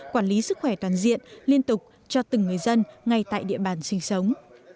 quản lý sức khỏe toàn diện liên tục cho từng người dân ngay tại địa bàn sinh sống